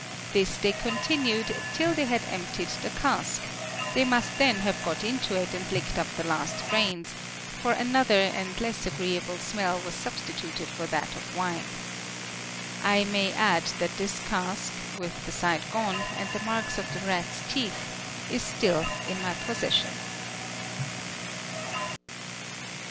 This they continued till they had emptied the cask; they must then have got into it and licked up the last drains, for another and less agreeable smell was substituted for that of wine. I may add that this cask, with the side gone, and the marks of the rats' teeth, is still in my possession.